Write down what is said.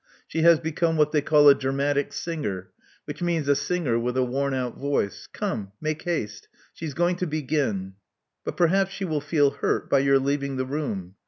She has become what they call a dramatic singer, which means a singer with a worn out voice. Come, make haste: she is going to begin." But perhaps she will feel hurt by your leaving the room.